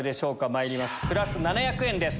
まいりますプラス７００円です。